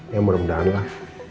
ya mudah mudahan lah